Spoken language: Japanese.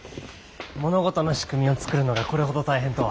物事の仕組みを作るのがこれほど大変とは。